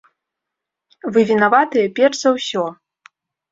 Вы вінаватыя перш за ўсё!